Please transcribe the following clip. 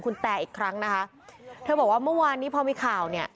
คุณแก่อีกครั้งนะฮะเธอบอกว่าเมื่อวานพอมีข่าว